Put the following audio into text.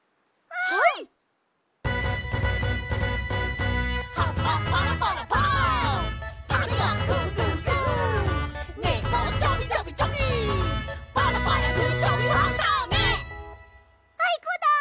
あいこだ！